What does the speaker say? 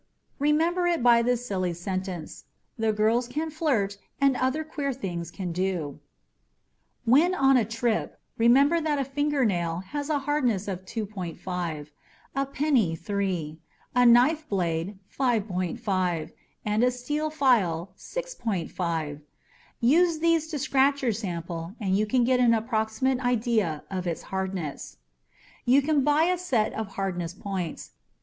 Remember it by this silly sentence: "The girls can flirt and other queer things can do." When on a trip, remember that a fingernail has a hardness of 2.5; a penny, 3; a knife blade, 5.5; and a steel file, 6.5. Use these to scratch your sample and you can get an approximate idea of its hardness. You can buy a set of hardness points.